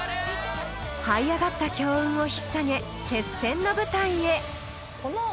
［はい上がった強運を引っ提げ決戦の舞台へ］